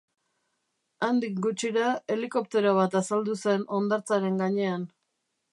Handik gutxira helikoptero bat azaldu zen hondartzaren gainean.